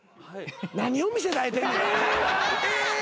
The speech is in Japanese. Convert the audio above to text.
何を見せられてんねん！